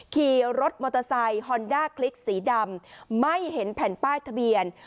ขี่รถมอเตอร์ไซค์ฮอนด้าคลิกสีดำไม่เห็นแผ่นป้ายทะเบียน